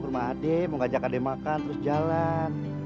ke rumah ade mau ngajak ade makan terus jalan